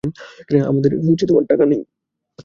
আমাদের টাকা নেই।